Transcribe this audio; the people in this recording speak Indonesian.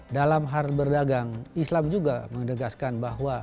dalam hal berdagang islam juga menegaskan bahwa